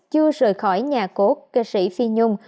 chưa rời khỏi nhà cốt ca sĩ phi nhung